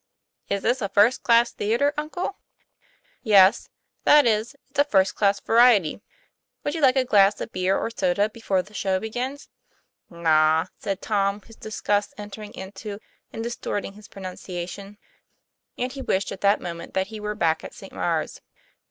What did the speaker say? " Is this a first class theatre, uncle ?' 'Yes; that is, it's a first class variety. Would you like a glass of beer or soda before the show begins ?'" Naw, " said Tom, his disgust entering into and distorting his pronunciation: and he wished at that moment that he were back at St. Maure's.